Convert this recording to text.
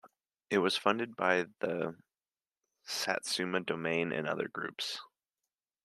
It was funded by the Satsuma Domain and other groups.